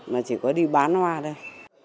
mà chỉ có đi bán hoa thôi